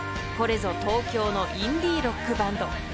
［これぞ東京のインディーロックバンド］